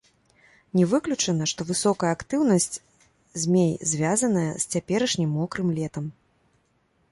Не выключана, што высокая актыўнасць змей звязаная з цяперашнім мокрым летам.